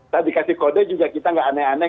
tadi dikasih kode juga kita nggak aneh aneh